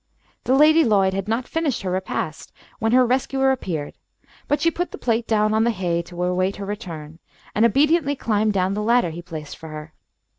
The Lady Lloyd had not finished her repast when her rescuer appeared, but she put the plate down on the hay to await her return, and obediently climbed down the ladder he placed for her.